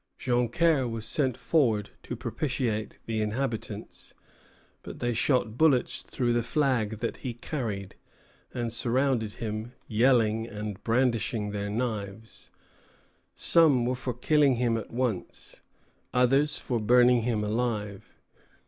Joncaire was sent forward to propitiate the inhabitants; but they shot bullets through the flag that he carried, and surrounded him, yelling and brandishing their knives. Some were for killing him at once; others for burning him alive.